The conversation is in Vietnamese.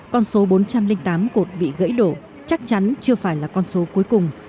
con số bốn trăm linh tám cột bị gãy đổ chắc chắn chưa phải là con số cuối cùng